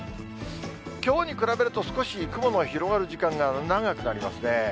きょうに比べると、少し雲の広がる時間が長くなりますね。